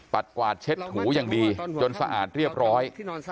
กวาดเช็ดถูอย่างดีจนสะอาดเรียบร้อย